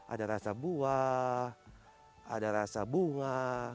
ada rasa buah ada rasa bunga